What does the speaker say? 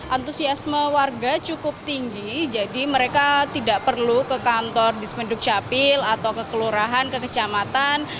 antusiasme warga cukup tinggi jadi mereka tidak perlu ke kantor di spenduk capil atau ke kelurahan ke kecamatan